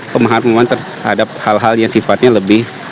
pemahaman terhadap hal hal yang sifatnya lebih